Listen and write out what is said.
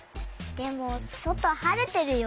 でもそとはれてるよ。